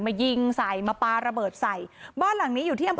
มายิงใส่มาปลาระเบิดใส่บ้านหลังนี้อยู่ที่อำเภอ